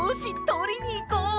とりにいこう！